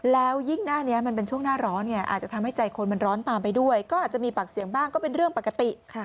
แล้วยิ่งหน้านี้มันเป็นช่วงหน้าร้อนไงอาจจะทำให้ใจคนมันร้อนตามไปด้วยก็อาจจะมีปากเสียงบ้างก็เป็นเรื่องปกติ